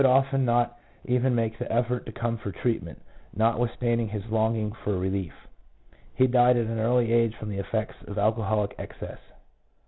121 even make the effort to come for treatment, notwith standing his longing for relief. He died at an early age from the effects of alcoholic excess.